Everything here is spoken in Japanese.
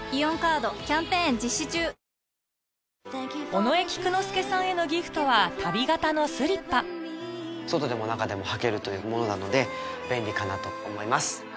尾上菊之助さんへのギフトは足袋型のスリッパ外でも中でも履けるというものなので便利かなと思います。